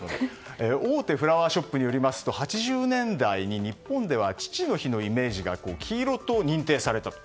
大手フラワーショップによりますと８０年代に日本では父の日のイメージが黄色と認定されたと。